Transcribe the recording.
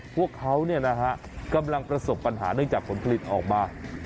พวกเขากำลังประสบปัญหาเนื่องจากผลผลิตออกมา